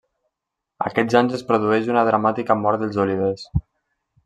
Aquests anys es produeix una dramàtica mort dels olivers.